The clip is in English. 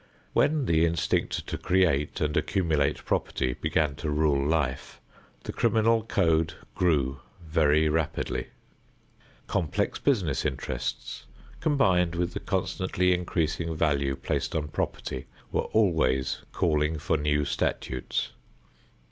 When the instinct to create and accumulate property began to rule life, the criminal code grew very rapidly. Complex business interests, combined with the constantly increasing value placed on property, were always calling for new statutes.